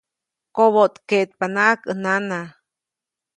Koboʼtkeʼtpanaʼajk ʼäj nana.